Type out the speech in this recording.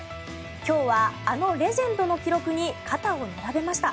今日はあのレジェンドの記録に肩を並べました。